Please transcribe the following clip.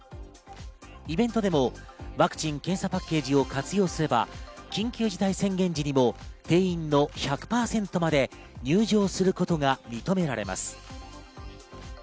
イベントでもワクチン・検査パッケージを活用すれば、緊急事態宣言時にも定員の１００％まで入場することが認められます。